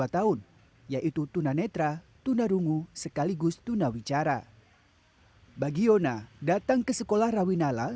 dua tahun yaitu tunanetra tunarungu sekaligus tunawicara bagi yona datang ke sekolah rawinala